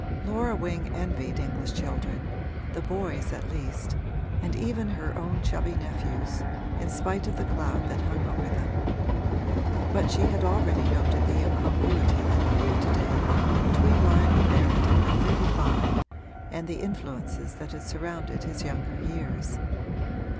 Laura Wing envied English children, the boys at least, and even her own chubby nephews, in spite of the cloud that hung over them; but she had already noted the incongruity that appeared to day between Lionel Berrington at thirty five and the influences that had surrounded his younger years.